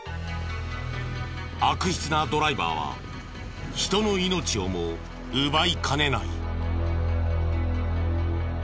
悪質なドライバーは人の命をも奪いかねない。